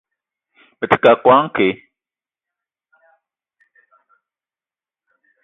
Me te keu a koala nke.